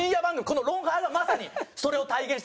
この『ロンハー』がまさにそれを体現してる。